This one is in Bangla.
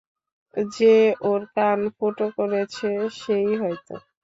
যে ওর কান ফুঁটো করেছে, সে-ই হয়তো।